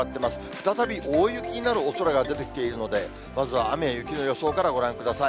再び大雪になるおそれが出てきているので、まずは雨や雪の予想からご覧ください。